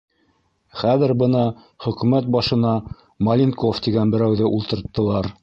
Хәҙер бына хөкүмәт башына Маленков тигән берәүҙе ултырттылар.